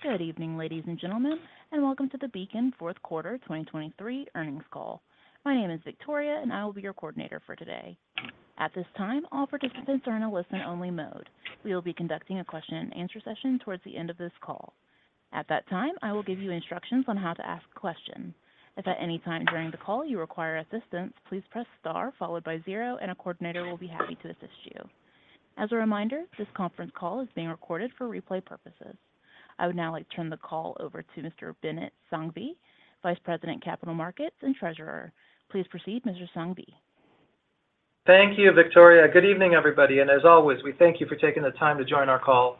Good evening, ladies and gentlemen, and welcome to the Beacon Fourth Quarter 2023 earnings call. My name is Victoria, and I will be your coordinator for today. At this time, all participants are in a listen-only mode. We will be conducting a question-and-answer session towards the end of this call. At that time, I will give you instructions on how to ask a question. If at any time during the call you require assistance, please press star followed by 0, and a coordinator will be happy to assist you. As a reminder, this conference call is being recorded for replay purposes. I would now like to turn the call over to Mr. Binit Sanghvi, Vice President Capital Markets and Treasurer. Please proceed, Mr. Sanghvi. Thank you, Victoria. Good evening, everybody. As always, we thank you for taking the time to join our call.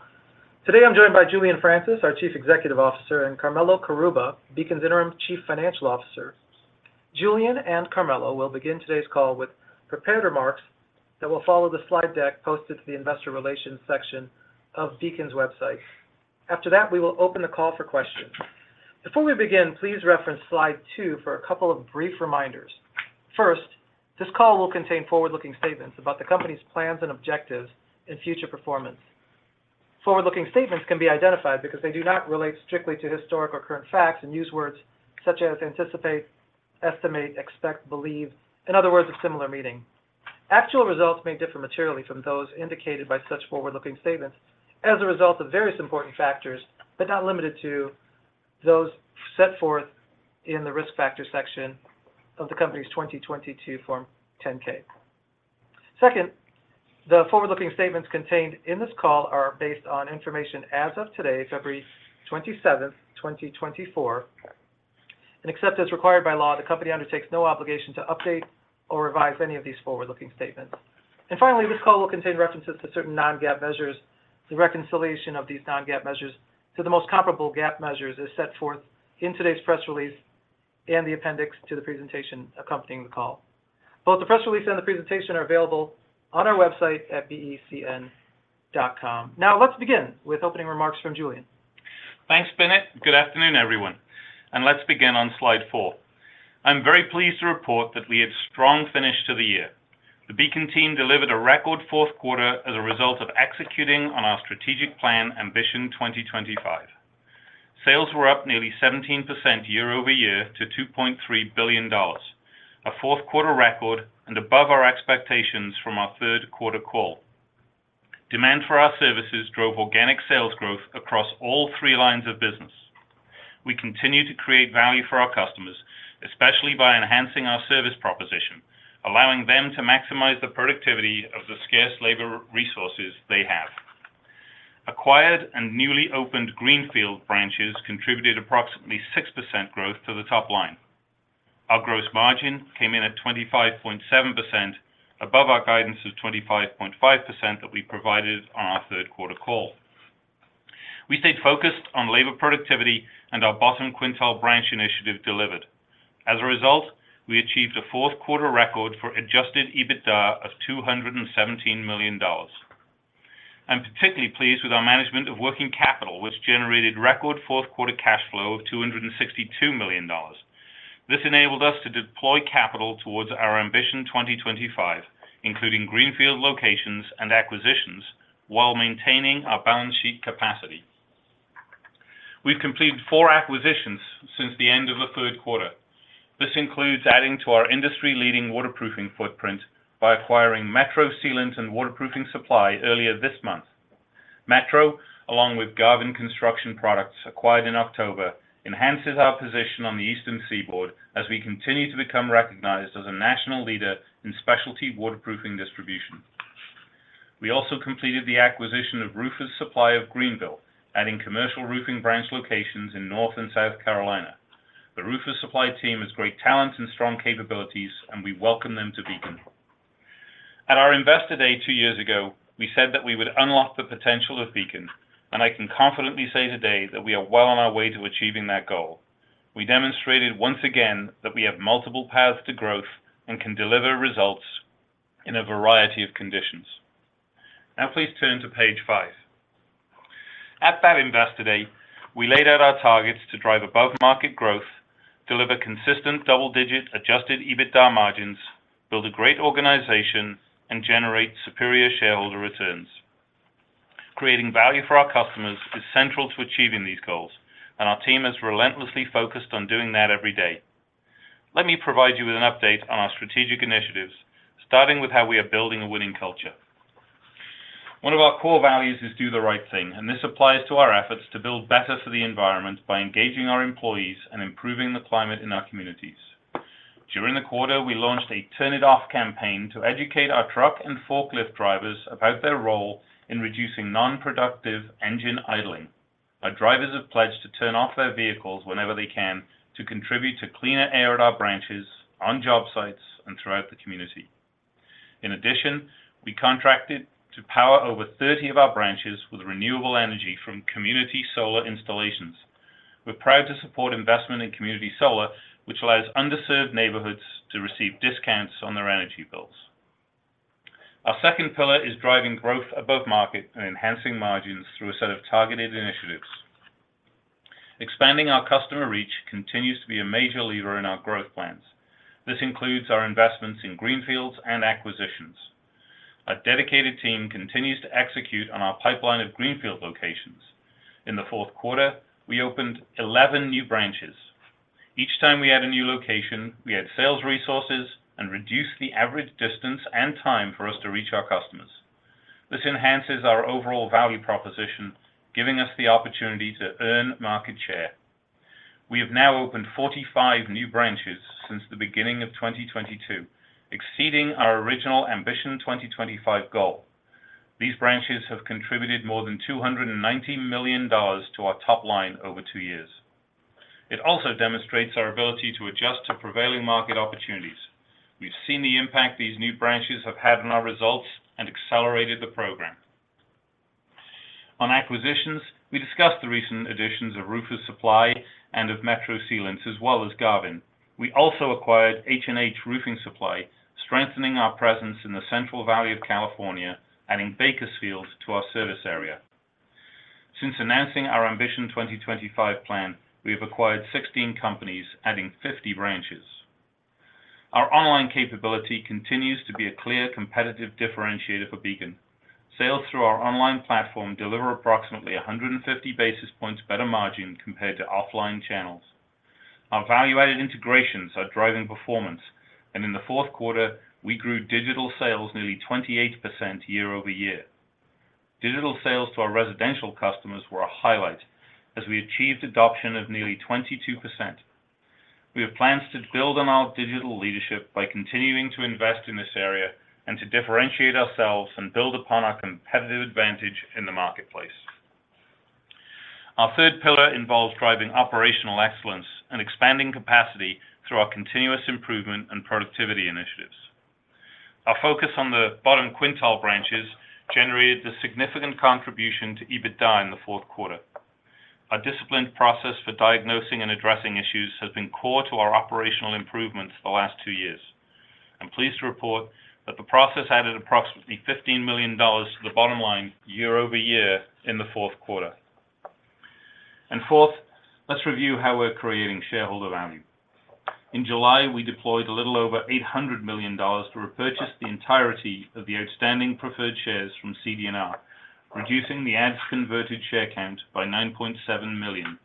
Today I'm joined by Julian Francis, our Chief Executive Officer, and Carmelo Carrubba, Beacon's Interim Chief Financial Officer. Julian and Carmelo will begin today's call with prepared remarks that will follow the slide deck posted to the Investor Relations section of Beacon's website. After that, we will open the call for questions. Before we begin, please reference slide two for a couple of brief reminders. First, this call will contain forward-looking statements about the company's plans and objectives and future performance. Forward-looking statements can be identified because they do not relate strictly to historic or current facts and use words such as anticipate, estimate, expect, believe, in other words, of similar meaning. Actual results may differ materially from those indicated by such forward-looking statements as a result of various important factors, but not limited to those set forth in the risk factor section of the company's 2022 Form 10-K. Second, the forward-looking statements contained in this call are based on information as of today, February 27th, 2024, and except as required by law, the company undertakes no obligation to update or revise any of these forward-looking statements. And finally, this call will contain references to certain non-GAAP measures. The reconciliation of these non-GAAP measures to the most comparable GAAP measures is set forth in today's press release and the appendix to the presentation accompanying the call. Both the press release and the presentation are available on our website at becn.com. Now, let's begin with opening remarks from Julian. Thanks, Binit. Good afternoon, everyone. Let's begin on slide four. I'm very pleased to report that we had strong finish to the year. The Beacon team delivered a record fourth quarter as a result of executing on our strategic plan, Ambition 2025. Sales were up nearly 17% year-over-year to $2.3 billion, a fourth quarter record and above our expectations from our third quarter call. Demand for our services drove organic sales growth across all three lines of business. We continue to create value for our customers, especially by enhancing our service proposition, allowing them to maximize the productivity of the scarce labor resources they have. Acquired and newly opened Greenfield branches contributed approximately 6% growth to the top line. Our gross margin came in at 25.7%, above our guidance of 25.5% that we provided on our third quarter call. We stayed focused on labor productivity, and our bottom quintile branch initiative delivered. As a result, we achieved a fourth quarter record for Adjusted EBITDA of $217 million. I'm particularly pleased with our management of working capital which generated record fourth quarter cash flow of $262 million. This enabled us to deploy capital towards our Ambition 2025, including Greenfield locations and acquisitions, while maintaining our balance sheet capacity. We've completed four acquisitions since the end of the third quarter. This includes adding to our industry-leading waterproofing footprint by acquiring Metro Sealant and Waterproofing Supply earlier this month. Metro, along with Garvin Construction Products acquired in October, enhances our position on the Eastern Seaboard as we continue to become recognized as a national leader in specialty waterproofing distribution. We also completed the acquisition of Roofers Supply of Greenville, adding commercial roofing branch locations in North and South Carolina. The Roofers Supply team has great talent and strong capabilities, and we welcome them to Beacon. At our investor day two years ago, we said that we would unlock the potential of Beacon, and I can confidently say today that we are well on our way to achieving that goal. We demonstrated once again that we have multiple paths to growth and can deliver results in a variety of conditions. Now, please turn to page 5. At that investor day, we laid out our targets to drive above-market growth, deliver consistent double-digit Adjusted EBITDA margins, build a great organization, and generate superior shareholder returns. Creating value for our customers is central to achieving these goals, and our team is relentlessly focused on doing that every day. Let me provide you with an update on our strategic initiatives, starting with how we are building a winning culture. One of our core values is do the right thing, and this applies to our efforts to build better for the environment by engaging our employees and improving the climate in our communities. During the quarter, we launched a turn-it-off campaign to educate our truck and forklift drivers about their role in reducing non-productive engine idling. Our drivers have pledged to turn off their vehicles whenever they can to contribute to cleaner air at our branches, on job sites, and throughout the community. In addition, we contracted to power over 30 of our branches with renewable energy from community solar installations. We're proud to support investment in community solar, which allows underserved neighborhoods to receive discounts on their energy bills. Our second pillar is driving growth above market and enhancing margins through a set of targeted initiatives. Expanding our customer reach continues to be a major lever in our growth plans. This includes our investments in greenfields and acquisitions. Our dedicated team continues to execute on our pipeline of Greenfield locations. In the fourth quarter, we opened 11 new branches. Each time we add a new location, we add sales resources and reduce the average distance and time for us to reach our customers. This enhances our overall value proposition, giving us the opportunity to earn market share. We have now opened 45 new branches since the beginning of 2022, exceeding our original Ambition 2025 goal. These branches have contributed more than $290 million to our top line over two years. It also demonstrates our ability to adjust to prevailing market opportunities. We've seen the impact these new branches have had on our results and accelerated the program. On acquisitions, we discussed the recent additions of Roofers Supply and of Metro Sealant, as well as Garvin. We also acquired H&H Roofing Supply, strengthening our presence in the Central Valley of California, adding Bakersfield to our service area. Since announcing our Ambition 2025 plan, we have acquired 16 companies, adding 50 branches. Our online capability continues to be a clear competitive differentiator for Beacon. Sales through our online platform deliver approximately 150 basis points better margin compared to offline channels. Our valuated integrations are driving performance, and in the fourth quarter, we grew digital sales nearly 28% year-over-year. Digital sales to our residential customers were a highlight as we achieved adoption of nearly 22%. We have plans to build on our digital leadership by continuing to invest in this area and to differentiate ourselves and build upon our competitive advantage in the marketplace. Our third pillar involves driving operational excellence and expanding capacity through our continuous improvement and productivity initiatives. Our focus on the bottom quintile branches generated a significant contribution to EBITDA in the fourth quarter. Our disciplined process for diagnosing and addressing issues has been core to our operational improvements the last two years. I'm pleased to report that the process added approximately $15 million to the bottom line year-over-year in the fourth quarter. And fourth, let's review how we're creating shareholder value. In July, we deployed a little over $800 million to repurchase the entirety of the outstanding preferred shares from CD&R, reducing the as-converted share count by 9.7 million.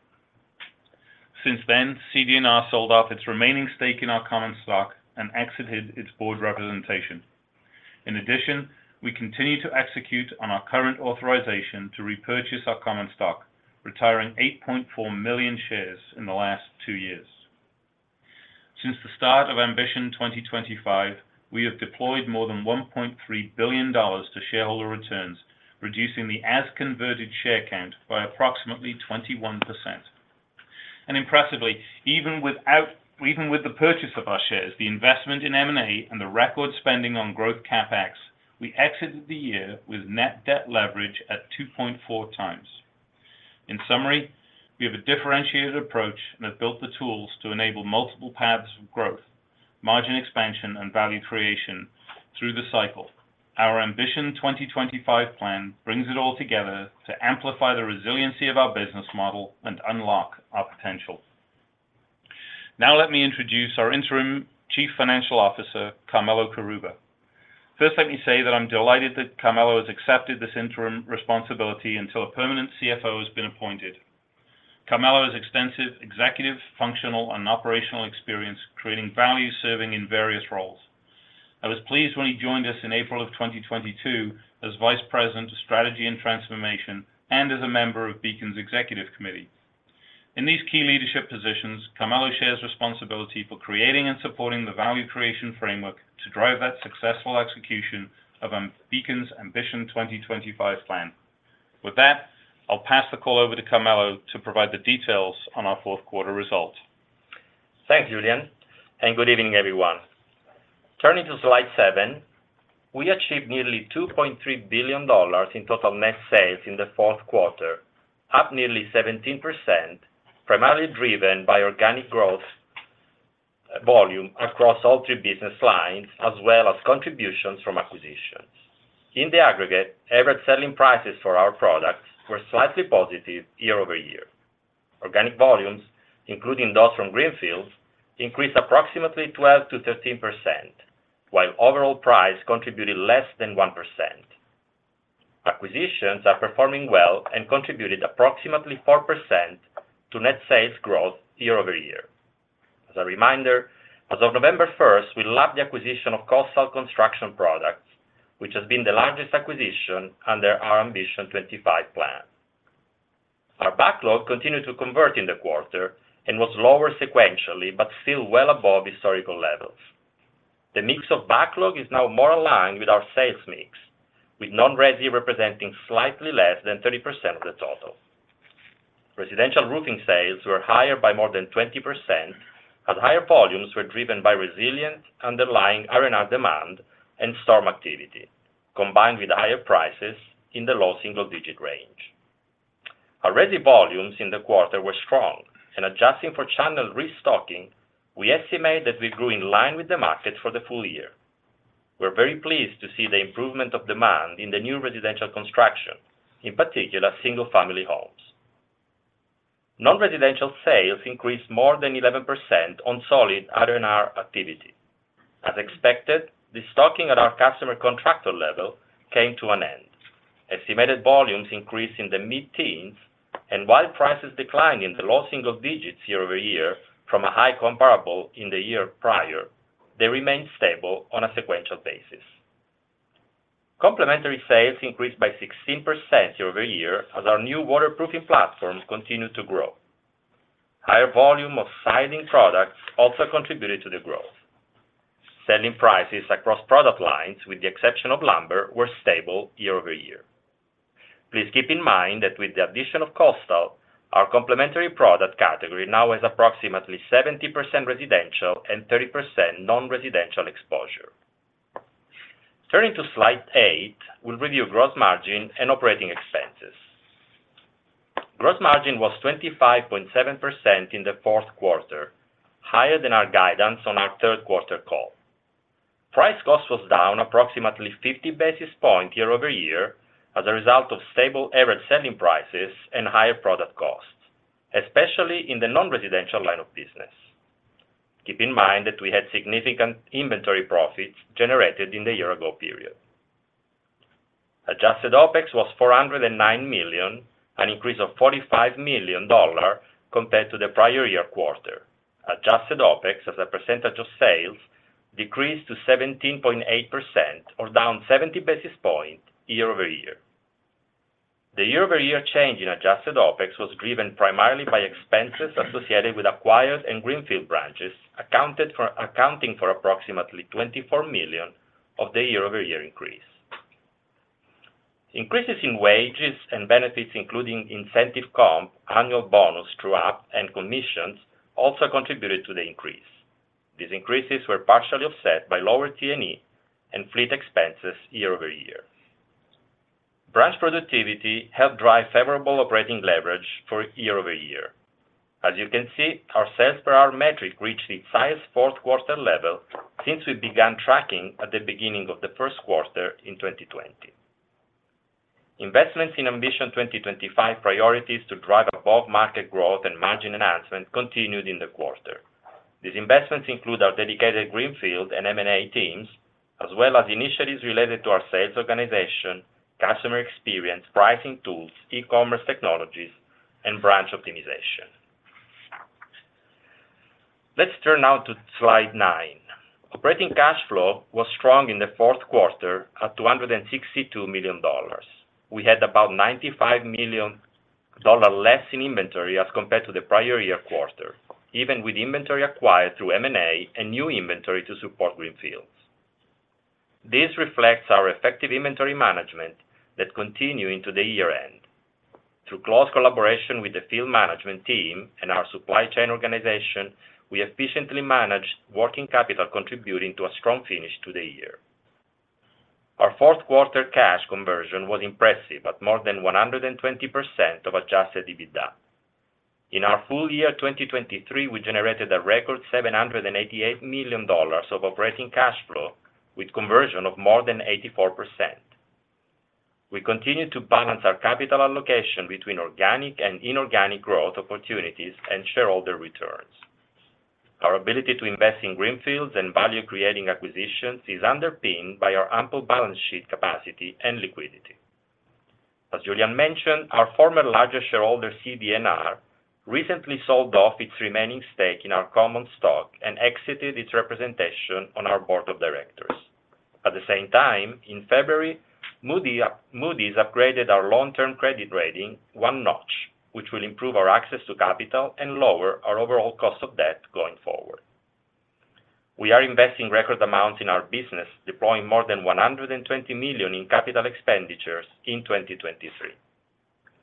Since then, CD&R sold off its remaining stake in our common stock and exited its board representation. In addition, we continue to execute on our current authorization to repurchase our common stock, retiring 8.4 million shares in the last two years. Since the start of Ambition 2025, we have deployed more than $1.3 billion to shareholder returns, reducing the as-converted share count by approximately 21%. Impressively, even with the purchase of our shares, the investment in M&A and the record spending on growth CapEx, we exited the year with net debt leverage at 2.4 times. In summary, we have a differentiated approach and have built the tools to enable multiple paths of growth, margin expansion, and value creation through the cycle. Our Ambition 2025 plan brings it all together to amplify the resiliency of our business model and unlock our potential. Now, let me introduce our interim Chief Financial Officer, Carmelo Carrubba. First, let me say that I'm delighted that Carmelo has accepted this interim responsibility until a permanent CFO has been appointed. Carmelo has extensive executive, functional, and operational experience, creating value serving in various roles. I was pleased when he joined us in April of 2022 as Vice President of Strategy and Transformation and as a member of Beacon's Executive Committee. In these key leadership positions, Carmelo shares responsibility for creating and supporting the value creation framework to drive that successful execution of Beacon's Ambition 2025 plan. With that, I'll pass the call over to Carmelo to provide the details on our fourth quarter result. Thanks, Julian. Good evening, everyone. Turning to slide seven, we achieved nearly $2.3 billion in total net sales in the fourth quarter, up nearly 17%, primarily driven by organic growth volume across all three business lines as well as contributions from acquisitions. In the aggregate, average selling prices for our products were slightly positive year-over-year. Organic volumes, including those from Greenfields, increased approximately 12%-13%, while overall price contributed less than 1%. Acquisitions are performing well and contributed approximately 4% to net sales growth year-over-year. As a reminder, as of November 1st, we lapped the acquisition of Coastal Construction Products, which has been the largest acquisition under our Ambition 25 plan. Our backlog continued to convert in the quarter and was lower sequentially but still well above historical levels. The mix of backlog is now more aligned with our sales mix, with non-Resi representing slightly less than 30% of the total. Residential roofing sales were higher by more than 20% as higher volumes were driven by resilient underlying R&R demand and storm activity, combined with higher prices in the low single-digit range. Our Resi volumes in the quarter were strong, and adjusting for channel restocking, we estimate that we grew in line with the market for the full year. We're very pleased to see the improvement of demand in the new residential construction, in particular single-family homes. Non-residential sales increased more than 11% on solid R&R activity. As expected, the stocking at our customer contractor level came to an end. Estimated volumes increased in the mid-teens, and while prices declined in the low single digits year-over-year from a high comparable in the year prior, they remained stable on a sequential basis. Complementary sales increased by 16% year-over-year as our new waterproofing platform continued to grow. Higher volume of siding products also contributed to the growth. Selling prices across product lines, with the exception of lumber, were stable year-over-year. Please keep in mind that with the addition of Coastal, our complementary product category now has approximately 70% residential and 30% non-residential exposure. Turning to slide eight, we'll review gross margin and operating expenses. Gross margin was 25.7% in the fourth quarter, higher than our guidance on our third quarter call. Price-cost was down approximately 50 basis points year-over-year as a result of stable average selling prices and higher product costs, especially in the non-residential line of business. Keep in mind that we had significant inventory profits generated in the year-ago period. Adjusted OPEX was $409 million, an increase of $45 million compared to the prior year quarter. Adjusted OPEX, as a percentage of sales, decreased to 17.8% or down 70 basis points year-over-year. The year-over-year change in adjusted OPEX was driven primarily by expenses associated with acquired and Greenfield branches, accounting for approximately $24 million of the year-over-year increase. Increases in wages and benefits, including incentive comp, annual bonus throughout, and commissions, also contributed to the increase. These increases were partially offset by lower T&E and fleet expenses year-over-year. Branch productivity helped drive favorable operating leverage for year-over-year. As you can see, our sales per hour metric reached its highest fourth quarter level since we began tracking at the beginning of the first quarter in 2020. Investments in Ambition 2025 priorities to drive above-market growth and margin enhancement continued in the quarter. These investments include our dedicated Greenfield and M&A teams, as well as initiatives related to our sales organization, customer experience, pricing tools, e-commerce technologies, and branch optimization. Let's turn now to slide nine. Operating cash flow was strong in the fourth quarter at $262 million. We had about $95 million less in inventory as compared to the prior year quarter, even with inventory acquired through M&A and new inventory to support Greenfields. This reflects our effective inventory management that continued into the year-end. Through close collaboration with the field management team and our supply chain organization, we efficiently managed Working Capital, contributing to a strong finish to the year. Our fourth quarter cash conversion was impressive at more than 120% of Adjusted EBITDA. In our full year 2023, we generated a record $788 million of operating cash flow with conversion of more than 84%. We continue to balance our capital allocation between organic and inorganic growth opportunities and shareholder returns. Our ability to invest in Greenfields and value-creating acquisitions is underpinned by our ample balance sheet capacity and liquidity. As Julian mentioned, our former largest shareholder, CD&R, recently sold off its remaining stake in our common stock and exited its representation on our board of directors. At the same time, in February, Moody's upgraded our long-term credit rating one notch, which will improve our access to capital and lower our overall cost of debt going forward. We are investing record amounts in our business, deploying more than $120 million in capital expenditures in 2023.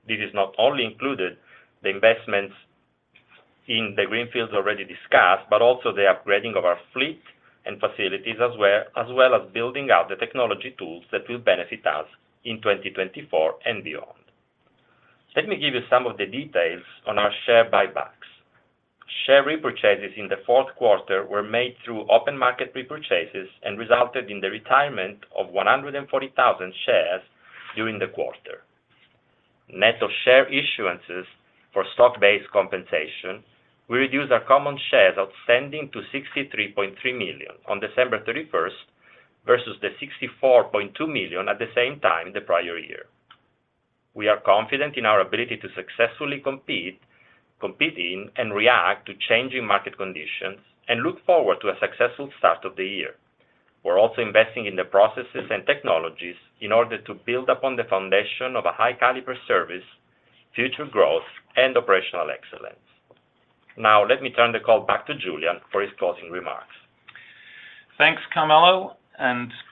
This is not only included in the investments in the Greenfields already discussed, but also the upgrading of our fleet and facilities as well, as well as building out the technology tools that will benefit us in 2024 and beyond. Let me give you some of the details on our share buybacks. Share repurchases in the fourth quarter were made through open market repurchases and resulted in the retirement of 140,000 shares during the quarter. Net of share issuances for stock-based compensation, we reduced our common shares outstanding to 63.3 million on December 31st versus the 64.2 million at the same time in the prior year. We are confident in our ability to successfully compete in and react to changing market conditions and look forward to a successful start of the year. We're also investing in the processes and technologies in order to build upon the foundation of a high-caliber service, future growth, and operational excellence. Now, let me turn the call back to Julian for his closing remarks. Thanks, Carmelo.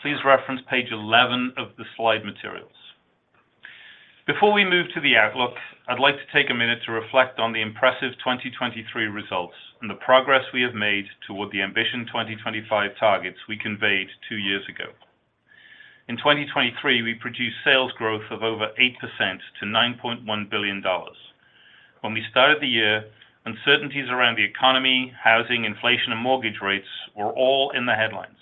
Please reference page 11 of the slide materials. Before we move to the outlook, I'd like to take a minute to reflect on the impressive 2023 results and the progress we have made toward the Ambition 2025 targets we conveyed two years ago. In 2023, we produced sales growth of over 8% to $9.1 billion. When we started the year, uncertainties around the economy, housing, inflation, and mortgage rates were all in the headlines.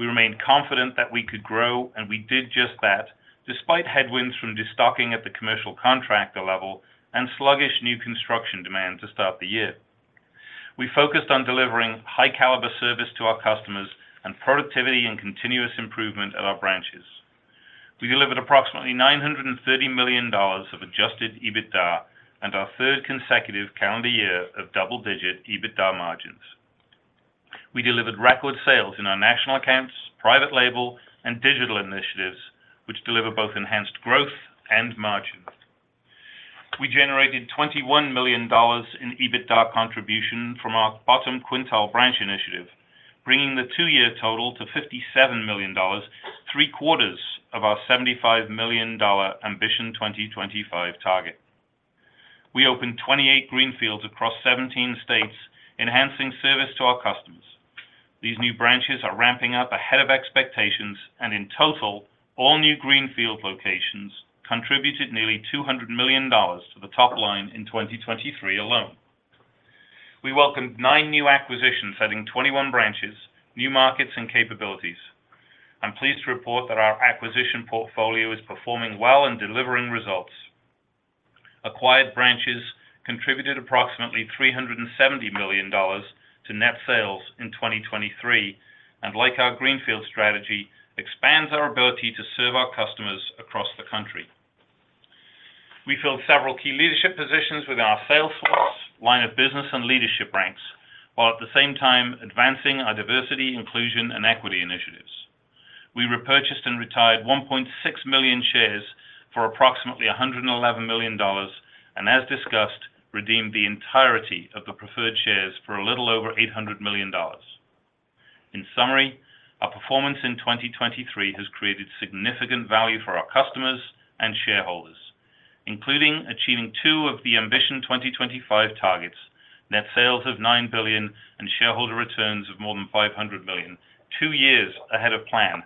We remained confident that we could grow, and we did just that despite headwinds from distocking at the commercial contractor level and sluggish new construction demand to start the year. We focused on delivering high-caliber service to our customers and productivity and continuous improvement at our branches. We delivered approximately $930 million of adjusted EBITDA and our third consecutive calendar year of double-digit EBITDA margins. We delivered record sales in our national accounts, private label, and digital initiatives, which deliver both enhanced growth and margin. We generated $21 million in EBITDA contribution from our bottom quintile branch initiative, bringing the two-year total to $57 million, three-quarters of our $75 million Ambition 2025 target. We opened 28 Greenfields across 17 states, enhancing service to our customers. These new branches are ramping up ahead of expectations, and in total, all new Greenfield locations contributed nearly $200 million to the top line in 2023 alone. We welcomed nine new acquisitions, setting 21 branches, new markets, and capabilities. I'm pleased to report that our acquisition portfolio is performing well and delivering results. Acquired branches contributed approximately $370 million to net sales in 2023 and, like our Greenfields strategy, expand our ability to serve our customers across the country. We filled several key leadership positions with our salesforce, line of business, and leadership ranks, while at the same time advancing our diversity, inclusion, and equity initiatives. We repurchased and retired 1.6 million shares for approximately $111 million and, as discussed, redeemed the entirety of the preferred shares for a little over $800 million. In summary, our performance in 2023 has created significant value for our customers and shareholders, including achieving two of the Ambition 2025 targets: net sales of $9 billion and shareholder returns of more than $500 million, two years ahead of plan,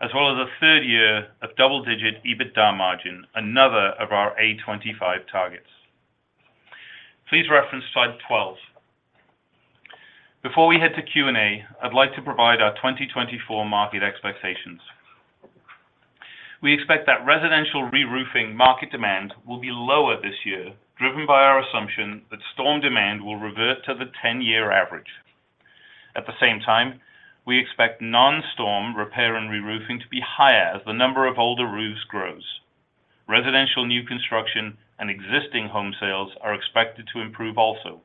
as well as a third year of double-digit EBITDA margin, another of our A25 targets. Please reference slide 12. Before we head to Q&A, I'd like to provide our 2024 market expectations. We expect that residential reroofing market demand will be lower this year, driven by our assumption that storm demand will revert to the 10-year average. At the same time, we expect non-storm repair and reroofing to be higher as the number of older roofs grows. Residential new construction and existing home sales are expected to improve also.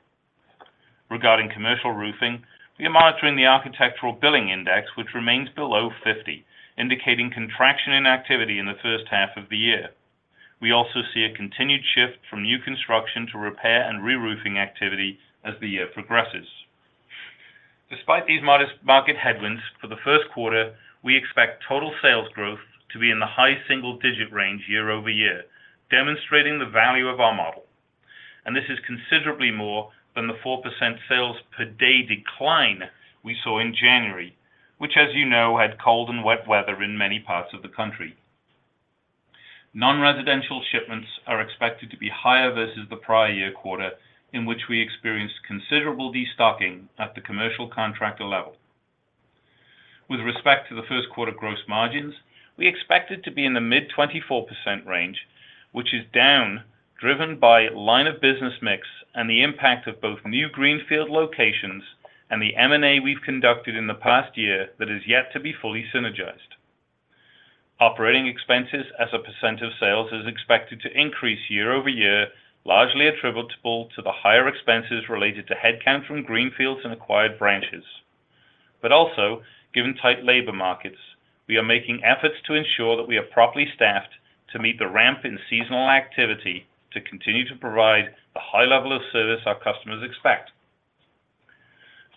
Regarding commercial roofing, we are monitoring the Architecture Billings Index, which remains below 50, indicating contraction in activity in the first half of the year. We also see a continued shift from new construction to repair and reroofing activity as the year progresses. Despite these modest market headwinds for the first quarter, we expect total sales growth to be in the high single-digit range year-over-year, demonstrating the value of our model. This is considerably more than the 4% sales per day decline we saw in January, which, as you know, had cold and wet weather in many parts of the country. Non-residential shipments are expected to be higher versus the prior year quarter, in which we experienced considerable destocking at the commercial contractor level. With respect to the first quarter gross margins, we expected to be in the mid-24% range, which is down, driven by line of business mix and the impact of both new Greenfield locations and the M&A we've conducted in the past year that is yet to be fully synergized. Operating expenses, as a % of sales, are expected to increase year-over-year, largely attributable to the higher expenses related to headcount from Greenfields and acquired branches. But also, given tight labor markets, we are making efforts to ensure that we are properly staffed to meet the ramp in seasonal activity to continue to provide the high level of service our customers expect.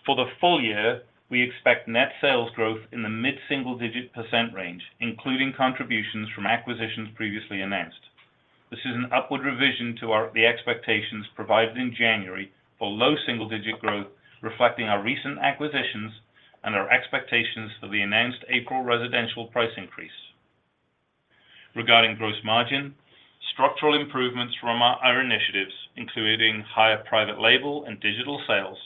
For the full year, we expect net sales growth in the mid-single-digit % range, including contributions from acquisitions previously announced. This is an upward revision to the expectations provided in January for low single-digit % growth, reflecting our recent acquisitions and our expectations for the announced April residential price increase. Regarding gross margin, structural improvements from our initiatives, including higher private label and digital sales,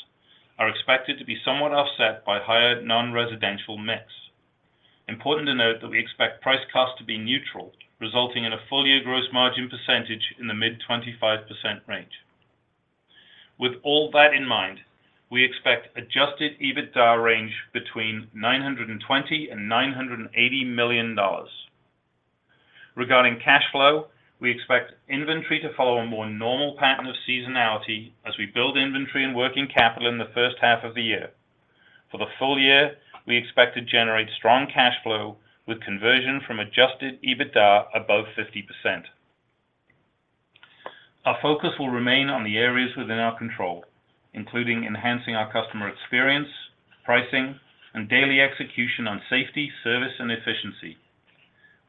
are expected to be somewhat offset by higher non-residential mix. Important to note that we expect price-cost to be neutral, resulting in a full-year gross margin percentage in the mid-25% range. With all that in mind, we expect Adjusted EBITDA range between $920-$980 million. Regarding cash flow, we expect inventory to follow a more normal pattern of seasonality as we build inventory and working capital in the first half of the year. For the full year, we expect to generate strong cash flow with conversion from Adjusted EBITDA above 50%. Our focus will remain on the areas within our control, including enhancing our customer experience, pricing, and daily execution on safety, service, and efficiency.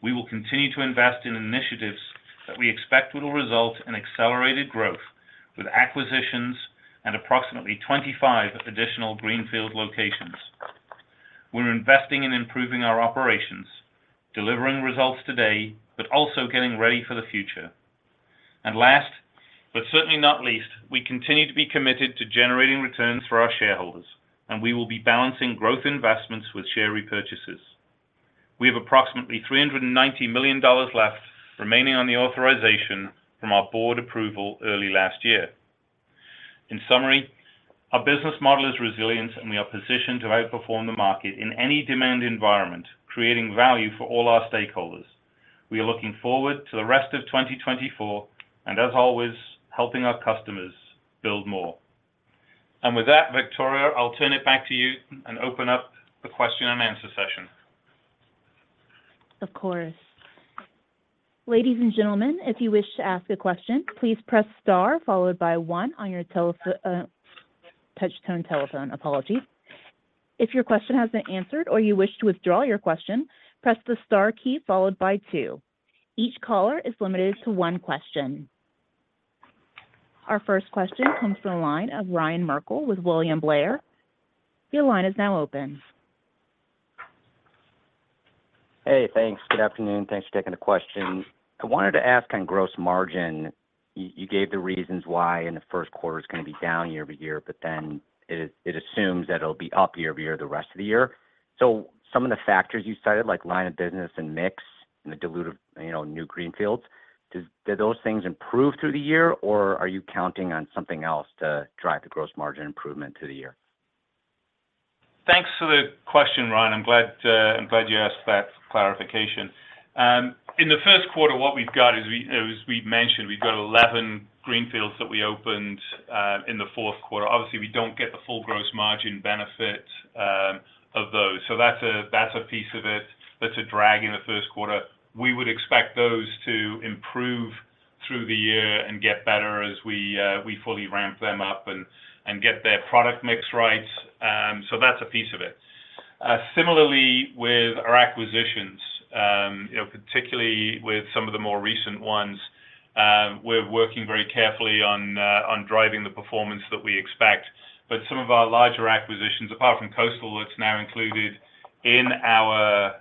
We will continue to invest in initiatives that we expect will result in accelerated growth with acquisitions and approximately 25 additional Greenfield locations. We're investing in improving our operations, delivering results today, but also getting ready for the future. And last but certainly not least, we continue to be committed to generating returns for our shareholders, and we will be balancing growth investments with share repurchases. We have approximately $390 million left remaining on the authorization from our board approval early last year. In summary, our business model is resilient, and we are positioned to outperform the market in any demand environment, creating value for all our stakeholders. We are looking forward to the rest of 2024 and, as always, helping our customers build more. With that, Victoria, I'll turn it back to you and open up the question and answer session. Of course. Ladies and gentlemen, if you wish to ask a question, please press star followed by one on your touch-tone telephone. Apologies. If your question has been answered or you wish to withdraw your question, press the star key followed by two. Each caller is limited to one question. Our first question comes from the line of Ryan Merkel with William Blair. Your line is now open. Hey, thanks. Good afternoon. Thanks for taking the question. I wanted to ask on gross margin. You gave the reasons why in the first quarter it's going to be down year-over-year, but then it assumes that it'll be up year-over-year the rest of the year. Some of the factors you cited, like line of business and mix and the dilute of new Greenfields, do those things improve through the year, or are you counting on something else to drive the gross margin improvement through the year? Thanks for the question, Ryan. I'm glad you asked that clarification. In the first quarter, what we've got is, as we've mentioned, we've got 11 Greenfields that we opened in the fourth quarter. Obviously, we don't get the full gross margin benefit of those. So that's a piece of it that's a drag in the first quarter. We would expect those to improve through the year and get better as we fully ramp them up and get their product mix right. So that's a piece of it. Similarly, with our acquisitions, particularly with some of the more recent ones, we're working very carefully on driving the performance that we expect. But some of our larger acquisitions, apart from Coastal that's now included in our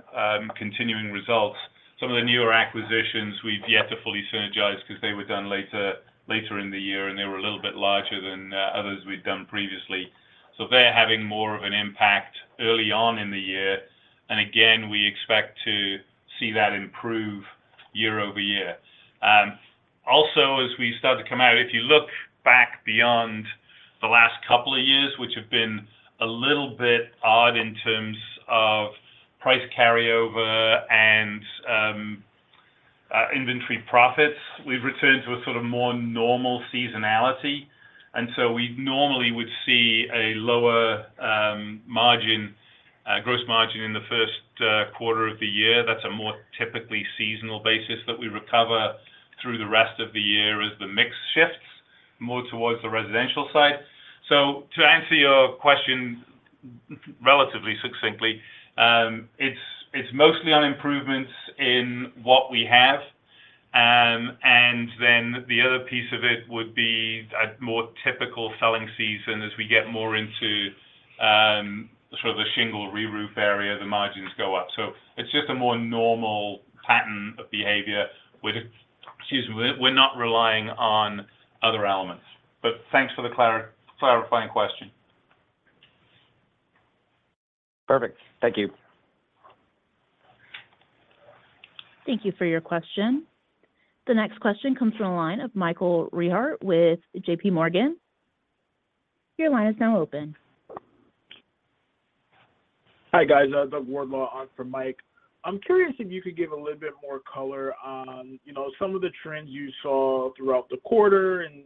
continuing results, some of the newer acquisitions, we've yet to fully synergize because they were done later in the year, and they were a little bit larger than others we'd done previously. So they're having more of an impact early on in the year. And again, we expect to see that improve year-over-year. Also, as we start to come out, if you look back beyond the last couple of years, which have been a little bit odd in terms of price carryover and inventory profits, we've returned to a sort of more normal seasonality. And so we normally would see a lower gross margin in the first quarter of the year. That's a more typically seasonal basis that we recover through the rest of the year as the mix shifts more towards the residential side. So to answer your question relatively succinctly, it's mostly on improvements in what we have. And then the other piece of it would be a more typical selling season. As we get more into sort of the shingle reroof area, the margins go up. So it's just a more normal pattern of behavior. Excuse me. We're not relying on other elements. But thanks for the clarifying question. Perfect. Thank you. Thank you for your question. The next question comes from a line of Michael Rehaut with JPMorgan. Your line is now open. Hi, guys. Doug Wardlaw from Mike. I'm curious if you could give a little bit more color on some of the trends you saw throughout the quarter. And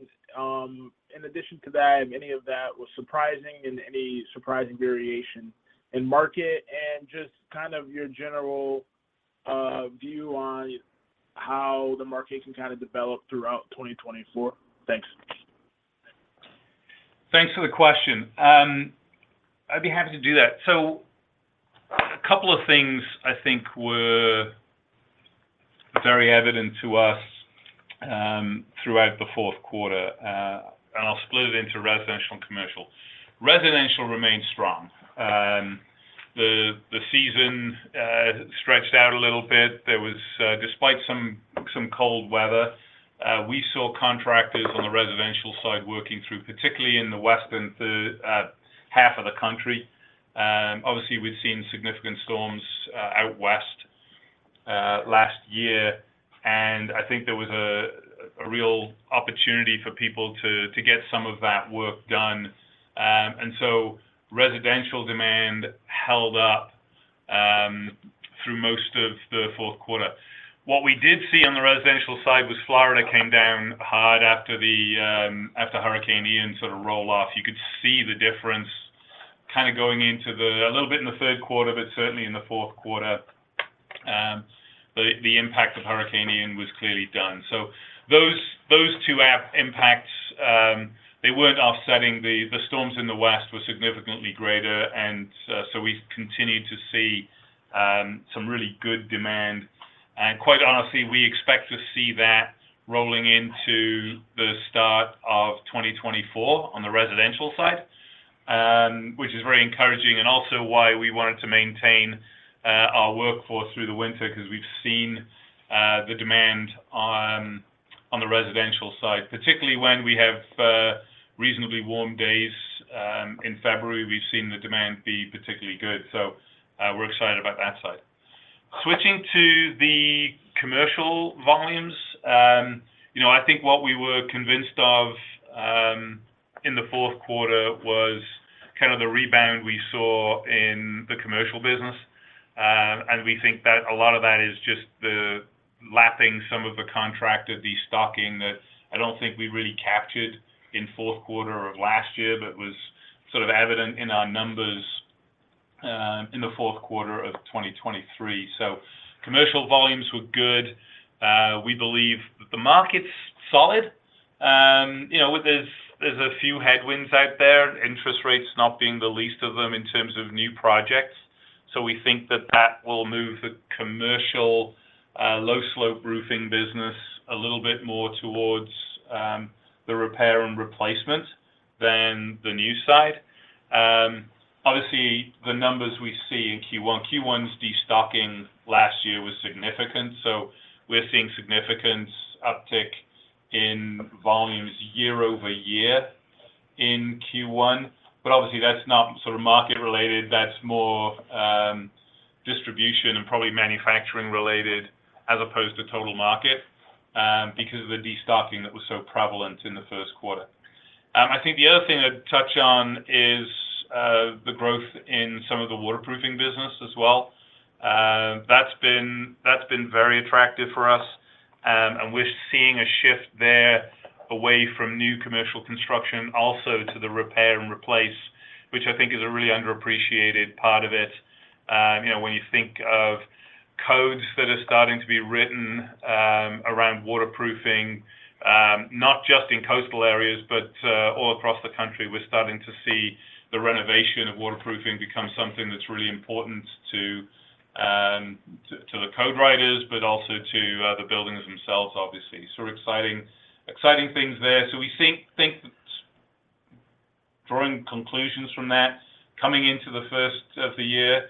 in addition to that, if any of that was surprising and any surprising variation in market, and just kind of your general view on how the market can kind of develop throughout 2024. Thanks. Thanks for the question. I'd be happy to do that. So a couple of things, I think, were very evident to us throughout the fourth quarter. And I'll split it into residential and commercial. Residential remained strong. The season stretched out a little bit. Despite some cold weather, we saw contractors on the residential side working through, particularly in the western half of the country. Obviously, we'd seen significant storms out west last year. And I think there was a real opportunity for people to get some of that work done. And so residential demand held up through most of the fourth quarter. What we did see on the residential side was Florida came down hard after Hurricane Ian sort of rolled off. You could see the difference kind of going into it a little bit in the third quarter, but certainly in the fourth quarter, the impact of Hurricane Ian was clearly done. So those two impacts, they weren't offsetting. The storms in the west were significantly greater. And so we've continued to see some really good demand. And quite honestly, we expect to see that rolling into the start of 2024 on the residential side, which is very encouraging and also why we wanted to maintain our workforce through the winter because we've seen the demand on the residential side, particularly when we have reasonably warm days in February, we've seen the demand be particularly good. So we're excited about that side. Switching to the commercial volumes, I think what we were convinced of in the fourth quarter was kind of the rebound we saw in the commercial business. And we think that a lot of that is just the lapping some of the contracted, the stocking that I don't think we really captured in fourth quarter of last year, but was sort of evident in our numbers in the fourth quarter of 2023. So commercial volumes were good. We believe that the market's solid. There's a few headwinds out there, interest rates not being the least of them in terms of new projects. So we think that that will move the commercial low-slope roofing business a little bit more towards the repair and replacement than the new side. Obviously, the numbers we see in Q1. Q1's destocking last year was significant. So we're seeing significant uptick in volumes year-over-year in Q1. But obviously, that's not sort of market-related. That's more distribution and probably manufacturing-related as opposed to total market because of the destocking that was so prevalent in the first quarter. I think the other thing to touch on is the growth in some of the waterproofing business as well. That's been very attractive for us. And we're seeing a shift there away from new commercial construction also to the repair and replace, which I think is a really underappreciated part of it. When you think of codes that are starting to be written around waterproofing, not just in coastal areas, but all across the country, we're starting to see the renovation of waterproofing become something that's really important to the code writers, but also to the buildings themselves, obviously. So exciting things there. So we think that drawing conclusions from that, coming into the first of the year,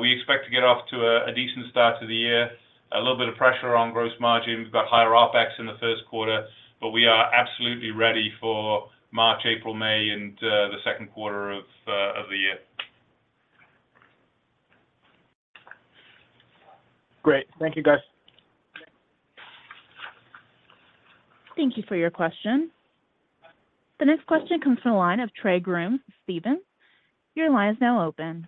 we expect to get off to a decent start to the year, a little bit of pressure on gross margin. We've got higher OpEx in the first quarter, but we are absolutely ready for March, April, May, and the second quarter of the year. Great. Thank you, guys. Thank you for your question. The next question comes from a line of Trey Grooms, Stephens. Your line is now open.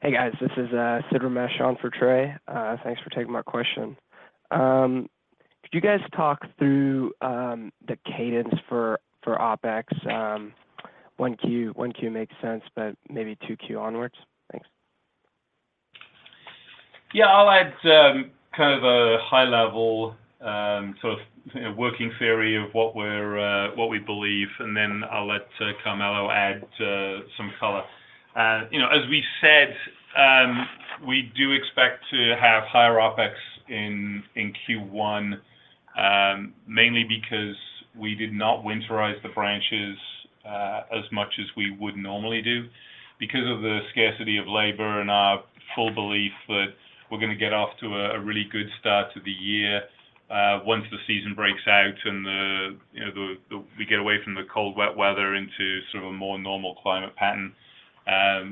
Hey, guys. This is Sid Ramesh on for Trey. Thanks for taking my question. Could you guys talk through the cadence for OpEx? 1Q makes sense, but maybe 2Q onwards. Thanks. Yeah. I'll add kind of a high-level sort of working theory of what we believe, and then I'll let Carmelo add some color. As we said, we do expect to have higher OpEx in Q1, mainly because we did not winterize the branches as much as we would normally do because of the scarcity of labor and our full belief that we're going to get off to a really good start to the year. Once the season breaks out and we get away from the cold, wet weather into sort of a more normal climate pattern,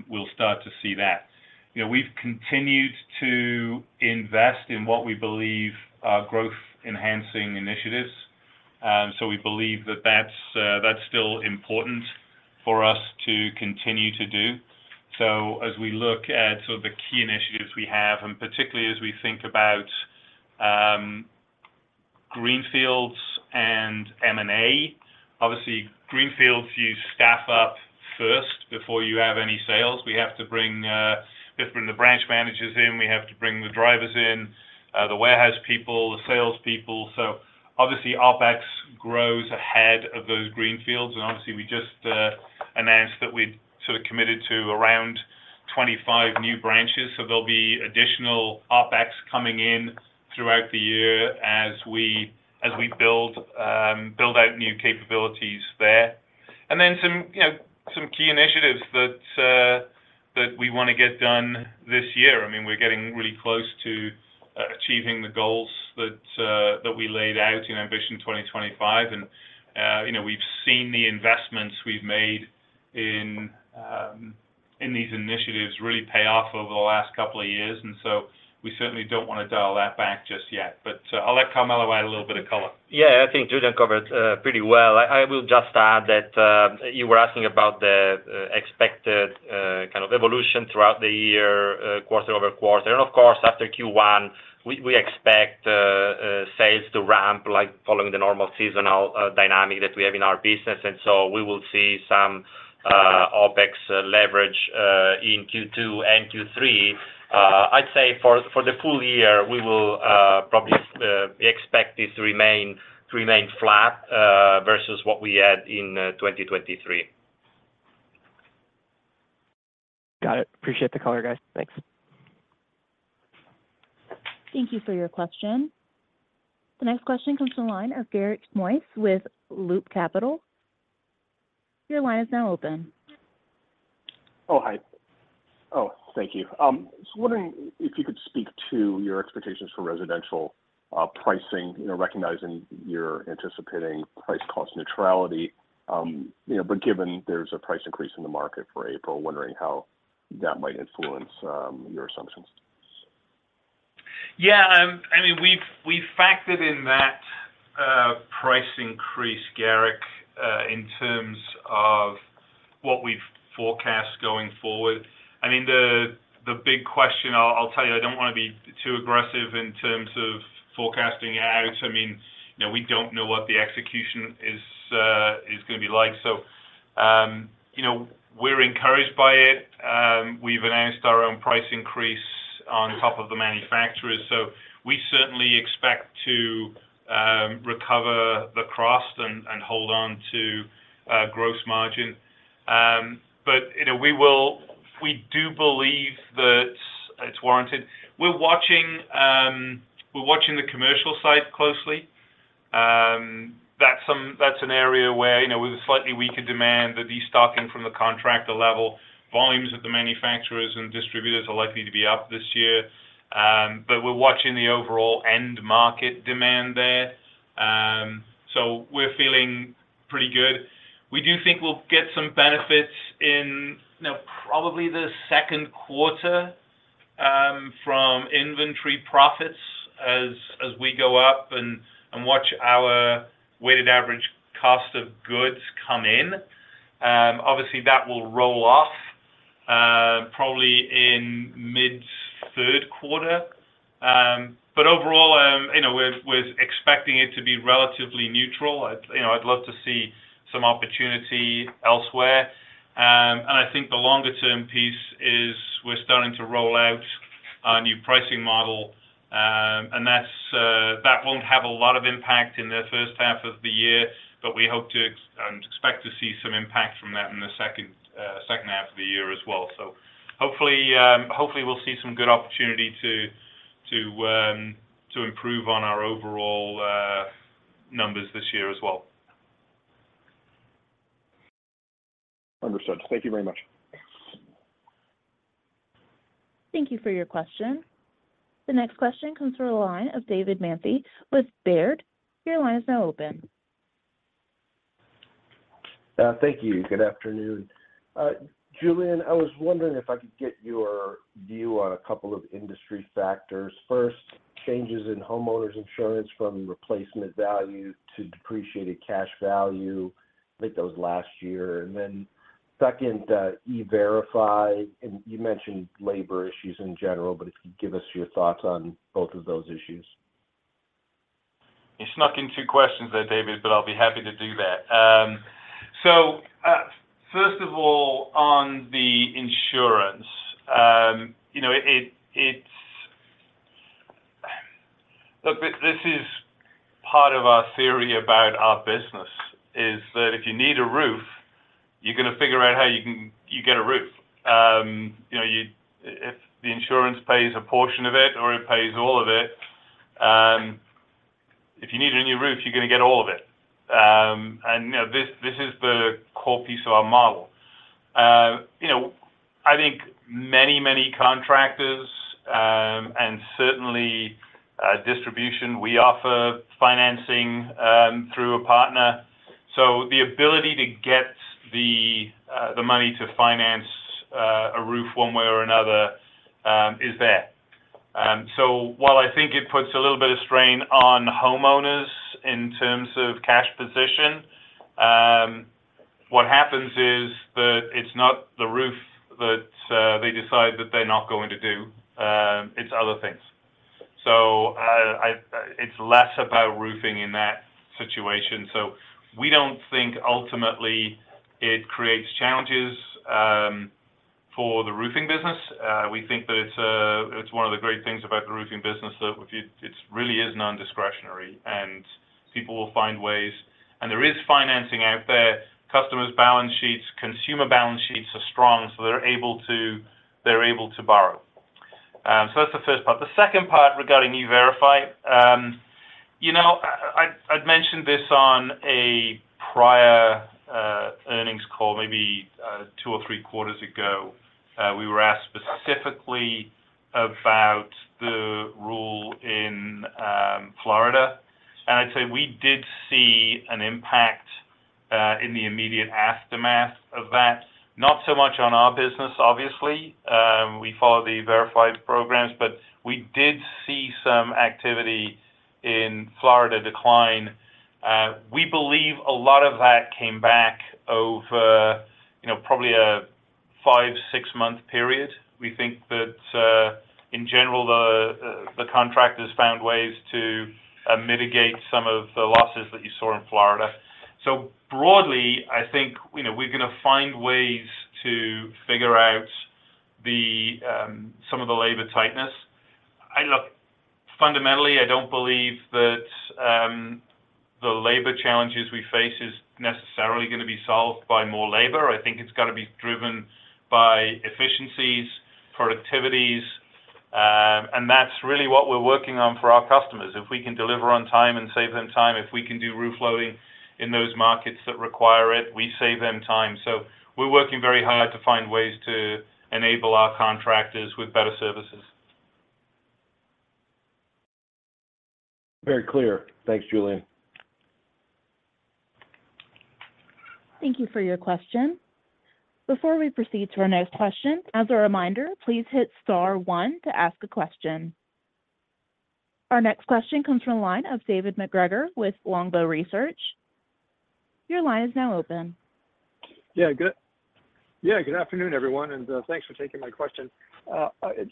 we'll start to see that. We've continued to invest in what we believe are growth-enhancing initiatives. So we believe that that's still important for us to continue to do. So as we look at sort of the key initiatives we have, and particularly as we think about Greenfields and M&A, obviously, Greenfields use staff up first before you have any sales. We have to bring the branch managers in. We have to bring the drivers in, the warehouse people, the salespeople. So obviously, OpEx grows ahead of those Greenfields. And obviously, we just announced that we'd sort of committed to around 25 new branches. So there'll be additional OpEx coming in throughout the year as we build out new capabilities there. Then some key initiatives that we want to get done this year. I mean, we're getting really close to achieving the goals that we laid out in Ambition 2025. And we've seen the investments we've made in these initiatives really pay off over the last couple of years. And so we certainly don't want to dial that back just yet. But I'll let Carmelo add a little bit of color. Yeah. I think Julian covered pretty well. I will just add that you were asking about the expected kind of evolution throughout the year, quarter-over-quarter. Of course, after Q1, we expect sales to ramp following the normal seasonal dynamic that we have in our business. So we will see some OPEX leverage in Q2 and Q3. I'd say for the full year, we will probably expect this to remain flat versus what we had in 2023. Got it. Appreciate the color, guys. Thanks. Thank you for your question. The next question comes from a line of Garik Shmois with Loop Capital. Your line is now open. Oh, hi. Oh, thank you. Just wondering if you could speak to your expectations for residential pricing, recognizing you're anticipating price-cost neutrality. But given there's a price increase in the market for April, wondering how that might influence your assumptions? Yeah. I mean, we've factored in that price increase, Garick, in terms of what we've forecast going forward. I mean, the big question, I'll tell you, I don't want to be too aggressive in terms of forecasting it out. I mean, we don't know what the execution is going to be like. So we're encouraged by it. We've announced our own price increase on top of the manufacturers. So we certainly expect to recover the cost and hold on to gross margin. But we do believe that it's warranted. We're watching the commercial side closely. That's an area where with a slightly weaker demand that the stocking from the contractor level, volumes at the manufacturers and distributors are likely to be up this year. But we're watching the overall end market demand there. So we're feeling pretty good. We do think we'll get some benefits in probably the second quarter from inventory profits as we go up and watch our weighted average cost of goods come in. Obviously, that will roll off probably in mid-third quarter. But overall, we're expecting it to be relatively neutral. I'd love to see some opportunity elsewhere. And I think the longer-term piece is we're starting to roll out our new pricing model. And that won't have a lot of impact in the first half of the year, but we hope to and expect to see some impact from that in the second half of the year as well. So hopefully, we'll see some good opportunity to improve on our overall numbers this year as well. Understood. Thank you very much. Thank you for your question. The next question comes from a line of David Manthey with Baird. Your line is now open. Thank you. Good afternoon. Julian, I was wondering if I could get your view on a couple of industry factors. First, changes in homeowners insurance from replacement value to depreciated cash value, I think that was last year. And then second, E-Verify. And you mentioned labor issues in general, but if you could give us your thoughts on both of those issues. You snuck in 2 questions there, David, but I'll be happy to do that. So first of all, on the insurance, look, this is part of our theory about our business, is that if you need a roof, you're going to figure out how you get a roof. If the insurance pays a portion of it or it pays all of it, if you need a new roof, you're going to get all of it. And this is the core piece of our model. I think many, many contractors and certainly distribution, we offer financing through a partner. So the ability to get the money to finance a roof one way or another is there. So while I think it puts a little bit of strain on homeowners in terms of cash position, what happens is that it's not the roof that they decide that they're not going to do. It's other things. So it's less about roofing in that situation. So we don't think ultimately it creates challenges for the roofing business. We think that it's one of the great things about the roofing business that it really is nondiscretionary, and people will find ways. And there is financing out there. Customers' balance sheets, consumer balance sheets are strong, so they're able to borrow. So that's the first part. The second part regarding eVerify, I'd mentioned this on a prior earnings call maybe 2 or 3 quarters ago. We were asked specifically about the rule in Florida. And I'd say we did see an impact in the immediate aftermath of that, not so much on our business, obviously. We follow the verified programs, but we did see some activity in Florida decline. We believe a lot of that came back over probably a 5-6-month period. We think that in general, the contractors found ways to mitigate some of the losses that you saw in Florida. Broadly, I think we're going to find ways to figure out some of the labor tightness. Fundamentally, I don't believe that the labor challenges we face is necessarily going to be solved by more labor. I think it's got to be driven by efficiencies, productivities. That's really what we're working on for our customers. If we can deliver on time and save them time, if we can do roof loading in those markets that require it, we save them time. We're working very hard to find ways to enable our contractors with better services. Very clear. Thanks, Julian. Thank you for your question. Before we proceed to our next question, as a reminder, please hit star one to ask a question. Our next question comes from a line of David MacGregor with Longbow Research. Your line is now open. Yeah. Good afternoon, everyone, and thanks for taking my question.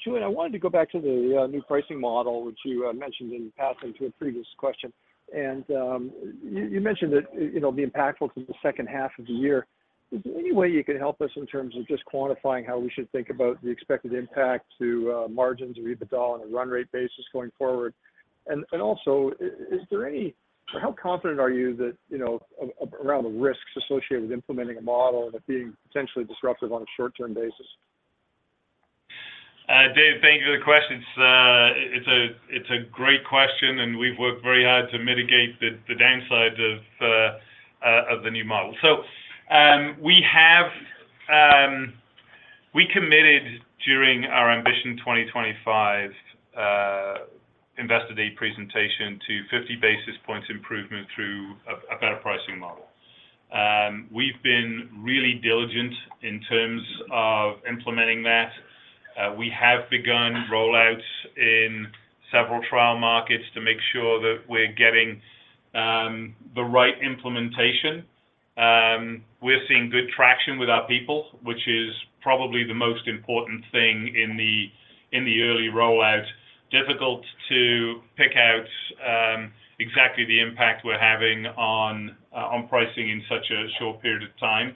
Julian, I wanted to go back to the new pricing model, which you mentioned in passing to a previous question. And you mentioned it'll be impactful to the second half of the year. Is there any way you can help us in terms of just quantifying how we should think about the expected impact to margins or EBITDA on a run-rate basis going forward? And also, is there any, or how confident are you around the risks associated with implementing a model and it being potentially disruptive on a short-term basis? David, thank you for the question. It's a great question, and we've worked very hard to mitigate the downside of the new model. We committed during our Ambition 2025 Investor Day presentation to 50 basis points improvement through a better pricing model. We've been really diligent in terms of implementing that. We have begun rollouts in several trial markets to make sure that we're getting the right implementation. We're seeing good traction with our people, which is probably the most important thing in the early rollout. Difficult to pick out exactly the impact we're having on pricing in such a short period of time.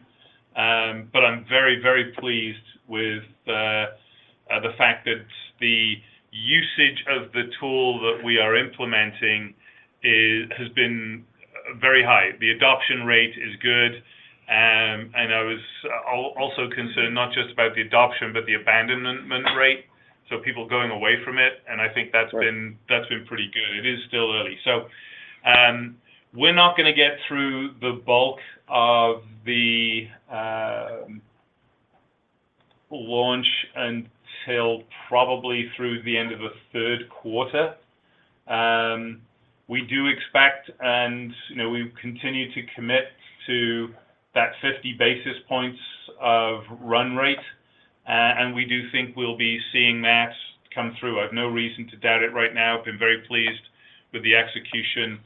But I'm very, very pleased with the fact that the usage of the tool that we are implementing has been very high. The adoption rate is good. I was also concerned not just about the adoption, but the abandonment rate, so people going away from it. And I think that's been pretty good. It is still early. So we're not going to get through the bulk of the launch until probably through the end of the third quarter. We do expect and we continue to commit to that 50 basis points of run rate. And we do think we'll be seeing that come through. I have no reason to doubt it right now. I've been very pleased with the execution.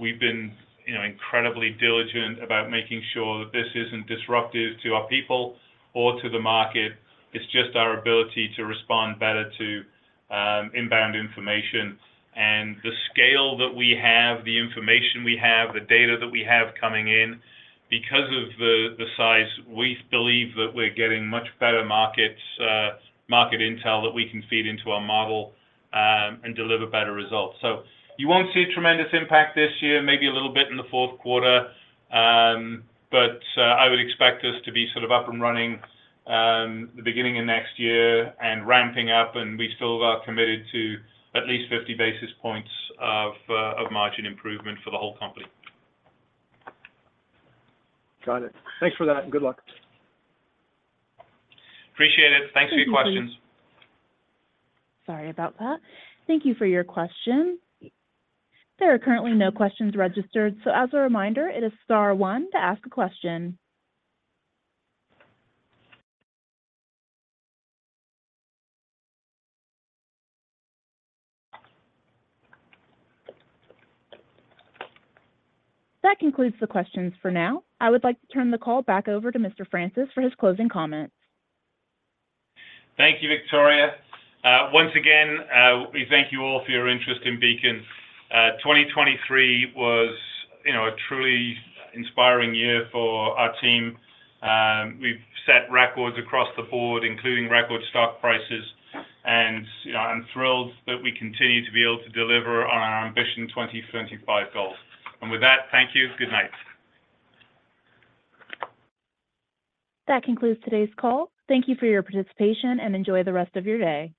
We've been incredibly diligent about making sure that this isn't disruptive to our people or to the market. It's just our ability to respond better to inbound information. The scale that we have, the information we have, the data that we have coming in, because of the size, we believe that we're getting much better market intel that we can feed into our model and deliver better results. You won't see a tremendous impact this year, maybe a little bit in the fourth quarter. I would expect us to be sort of up and running the beginning of next year and ramping up. We still are committed to at least 50 basis points of margin improvement for the whole company. Got it. Thanks for that. Good luck. Appreciate it. Thanks for your questions. Sorry about that. Thank you for your question. There are currently no questions registered. As a reminder, it is star one to ask a question. That concludes the questions for now. I would like to turn the call back over to Mr. Francis for his closing comments. Thank you, Victoria. Once again, we thank you all for your interest in Beacon. 2023 was a truly inspiring year for our team. We've set records across the board, including record stock prices. I'm thrilled that we continue to be able to deliver on our Ambition 2025 goals. With that, thank you. Good night. That concludes today's call. Thank you for your participation and enjoy the rest of your day.